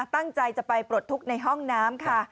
ตั้งใจจะไปปลดทุกข์ในห้องน้ำค่ะ